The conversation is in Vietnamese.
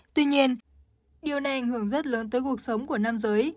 tuy nhiên điều này ảnh hưởng rất lớn tới cuộc sống của nam giới